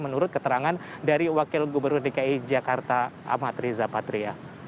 menurut keterangan dari wakil gubernur dki jakarta amat riza patria